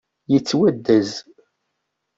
Yettwaddez.